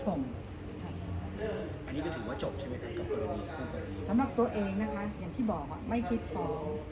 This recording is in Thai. จบใช่ไหมท่านกรณีสำหรับตัวเองนะคะอย่างที่บอกว่าไม่คิดของ